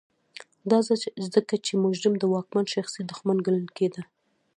دا ځکه چې مجرم د واکمن شخصي دښمن ګڼل کېده.